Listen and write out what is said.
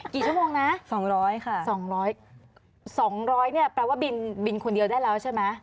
กี่ชั่วโมงนะ๒๐๐ค่ะ๒๐๐นี่แปลว่าบินคนเดียวได้แล้วใช่ไหม